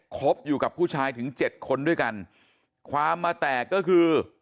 คบอยู่กับผู้ชายถึงเจ็ดคนด้วยกันความมาแตกก็คือ